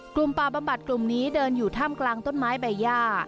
ป่าบำบัดกลุ่มนี้เดินอยู่ท่ามกลางต้นไม้ใบย่า